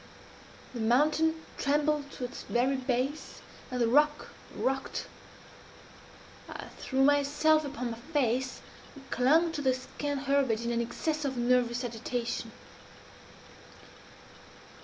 The mountain trembled to its very base, and the rock rocked. I threw myself upon my face, and clung to the scant herbage in an excess of nervous agitation.